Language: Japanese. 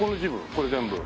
これ全部。